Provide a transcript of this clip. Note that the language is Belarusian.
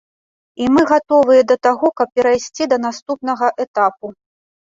І мы гатовыя да таго, каб перайсці да наступнага этапу.